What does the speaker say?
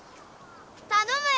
たのむよ。